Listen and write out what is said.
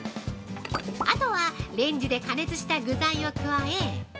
あとは、レンジで加熱した具材を加え。